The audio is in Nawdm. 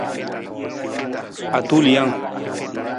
Atulijang.